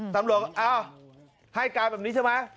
ตำรวจก็อ้าวให้การแบบนี้ใช่ไหม